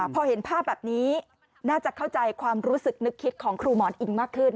พอเห็นภาพแบบนี้น่าจะเข้าใจความรู้สึกนึกคิดของครูหมอนอิงมากขึ้น